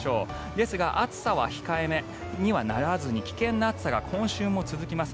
ですが暑さは控えめにはならずに危険な暑さが今週も続きます。